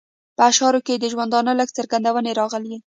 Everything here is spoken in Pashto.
په اشعارو کې یې د ژوندانه لږې څرګندونې راغلې.